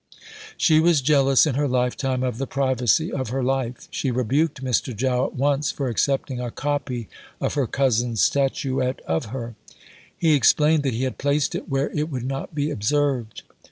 She was jealous in her life time of the privacy of her life. She rebuked Mr. Jowett once for accepting a copy of her cousin's statuette of her. He explained that he had placed it where it would not be observed.